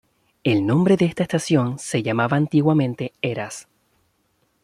El nombre de esta estación, se llamaba antiguamente Heras.